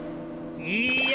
いや。